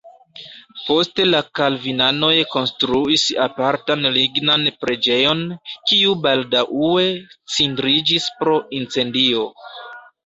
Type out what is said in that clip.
Poste la kalvinanoj konstruis apartan lignan preĝejon, kiu baldaŭe cindriĝis pro incendio.